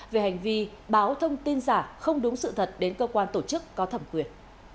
về hành vi báo thông tin giả không đúng sự thật đến cơ quan tổ chức có thẩm quyền